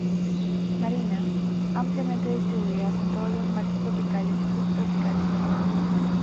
Marinas; ampliamente distribuidas en todos los mares tropicales y subtropicales del mundo.